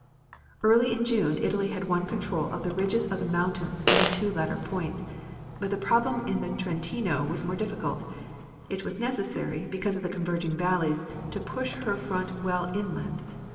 Early in June Italy had won control of the ridges of the mountains in the two latter points, but the problem in the Trentino was more difficult. It was necessary, because of the converging valleys, to push her front well inland.